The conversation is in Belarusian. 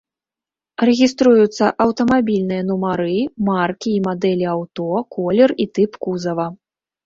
Рэгіструюцца аўтамабільныя нумары, маркі і мадэлі аўто, колер і тып кузава.